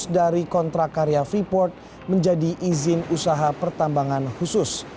dari kontrak karya freeport menjadi izin usaha pertambangan khusus